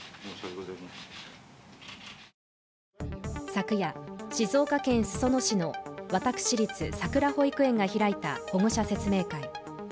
昨夜、静岡県裾野市の私立さくら保育園が開いた保護者説明会。